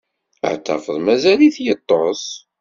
Ad tafeḍ mazal-it yeṭṭes.